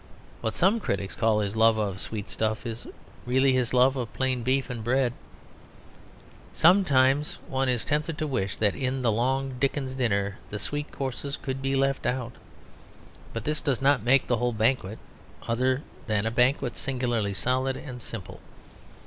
What some critics call his love of sweet stuff is really his love of plain beef and bread. Sometimes one is tempted to wish that in the long Dickens dinner the sweet courses could be left out; but this does not make the whole banquet other than a banquet singularly solid and simple.